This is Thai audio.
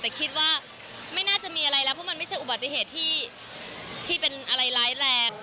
แต่คิดว่าไม่น่าจะมีอะไรแล้วเพราะมันไม่ใช่อุบัติเหตุที่เป็นอะไรร้ายแรง